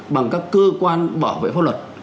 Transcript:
bằng các cơ quan bảo vệ pháp luật